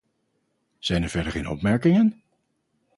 Zijn er verder geen opmerkingen?